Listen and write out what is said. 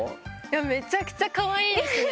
めちゃくちゃかわいいですね！